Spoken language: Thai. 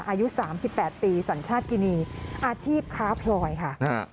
อายุ๓๘ปีสัญชาติกินีอาชีพค้าพลอยค่ะ